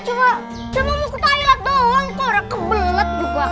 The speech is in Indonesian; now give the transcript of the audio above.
aja saya kan cuma mau style at doang kok udah kebelet juga